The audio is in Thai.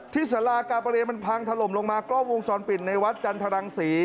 ที่สลากกาปะเรียนมันพังถล่มลงมากล้องวงสอนปิดในวัดจันทรังสี